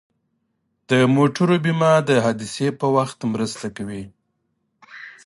د موټرو بیمه د حادثې په وخت مرسته کوي.